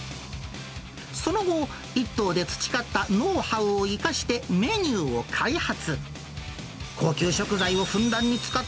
その後、一燈で培ったノウハウを生かしてメニューを開発。